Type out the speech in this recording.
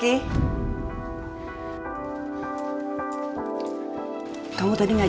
kita mau ke tempat yang lain